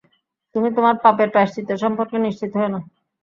তুমি তোমার পাপের প্রায়শ্চিত্ত সম্পর্কে নিশ্চিন্ত হয়ো না।